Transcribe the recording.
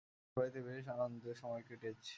আপনার বাড়িতে বেশ আনন্দে সময় কেটেছে।